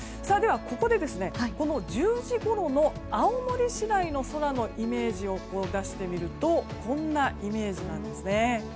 では、ここで１０時ごろの青森市内の空のイメージを出してみるとこんなイメージなんです。